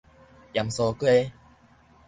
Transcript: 鹽酥雞